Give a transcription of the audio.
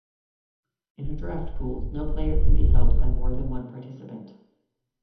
In a draft pool, no player can be held by more than one participant.